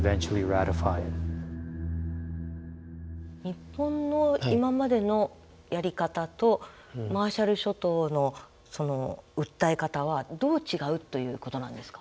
日本の今までのやり方とマーシャル諸島の訴え方はどう違うということなんですか？